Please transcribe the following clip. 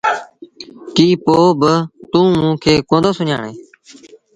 ڪيٚ پوء با توٚنٚ موٚنٚ کي ڪوندو سُڃآڻي؟